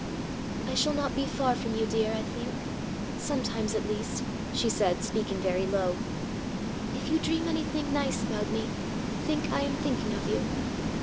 "I shall not be far from you, dear, I think sometimes at least," she said, speaking very low. "If you dream anything nice about me, think I am thinking of you.